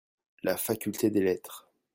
La faculté des lettres.